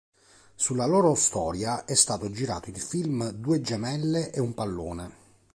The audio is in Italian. Sulla loro storia è stato girato il film Due gemelle e un pallone.